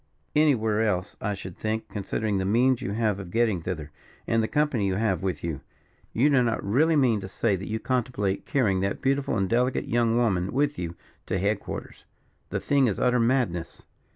"Anywhere else, I should think, considering the means you have of getting thither, and the company you have with you. You do not really mean to say that you contemplate carrying that beautiful and delicate young woman with you to head quarters? the thing is utter madness."